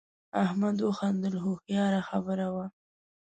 احمد وخندل هوښیاره خبره وه.